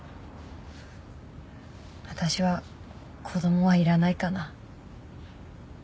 私は子供はいらないかな。